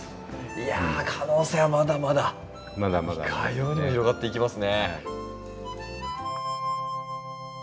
いや可能性はまだまだいかようにも広がっていきますね。